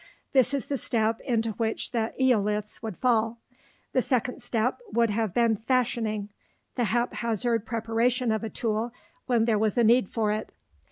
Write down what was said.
This is the step into which the "eoliths" would fall. The second step would have been fashioning the haphazard preparation of a tool when there was a need for it.